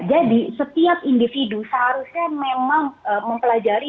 jadi setiap individu seharusnya memang mempelajari